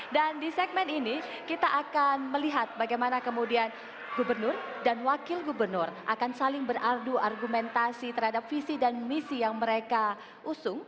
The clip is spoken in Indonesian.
dan di segmen ini kita akan melihat bagaimana kemudian gubernur dan wakil gubernur akan saling berardu argumentasi terhadap visi dan misi yang mereka usung